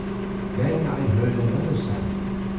Then I heard another sound.